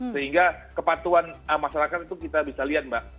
sehingga kepatuhan masyarakat itu kita bisa lihat mbak